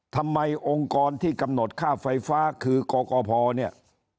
ทำไมองค์กรที่กำหนดค่าไฟฟ้าคือกกพเนี่ย